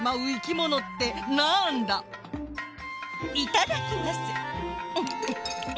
いただきます。